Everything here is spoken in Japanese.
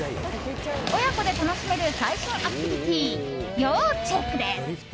親子で楽しめる最新アクティビティー要チェックです！